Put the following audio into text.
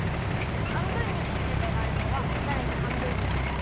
はんぶんにきったじゃがいもはさらにはんぶんにきって。